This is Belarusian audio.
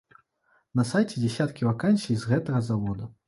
На сайце дзясяткі вакансій з гэтага завода.